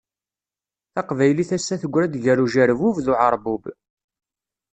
Taqbaylit ass-a tegra-d gar ujerbub d uεerbub.